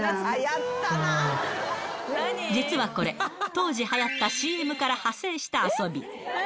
実はこれ、当時、はやったＣＭから派生した遊び。